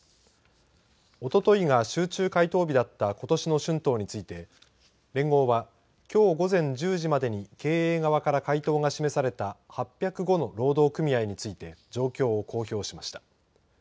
おとといが集中回答日だったことしの春闘について連合は、きょう午前１０時までに経営側から回答が示された８０５の労働組合について状況を公表しました。